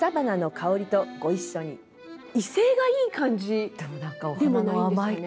威勢がいい感じでもないんですよね。